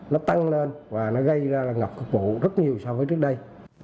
nó tăng lên và nó gây ra là ngập khuất bụi rất nhiều so với trước đây